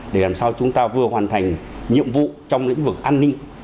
để làm sao chúng ta vừa hoàn thành nhiệm vụ trong lĩnh vực an ninh